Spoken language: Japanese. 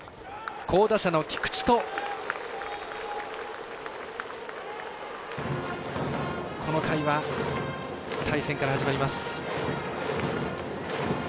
好打者の菊地とこの回は対戦から始まります。